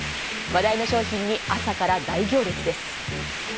話題の商品に朝から大行列です。